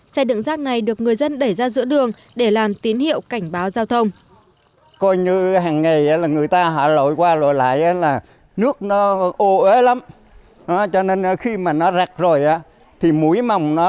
xe đựng rác này được người dân đẩy ra giữa đường để làm tín hiệu cảnh báo giao thông